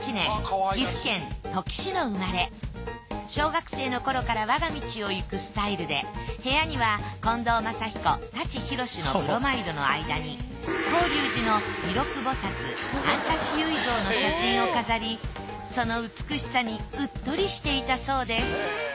小学生の頃から我が道を行くスタイルで部屋には近藤真彦舘ひろしのブロマイドの間に広隆寺の弥勒菩薩半跏思惟像の写真を飾りその美しさにうっとりしていたそうです。